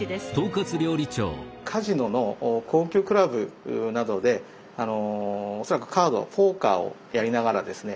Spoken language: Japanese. カジノの高級クラブなどで恐らくカードポーカーをやりながらですね